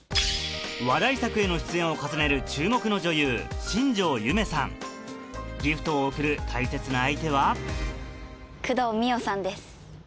話題作への出演を重ねる注目の女優ギフトを贈る大切な相手は工藤美桜さんです。